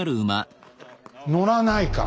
乗らないか。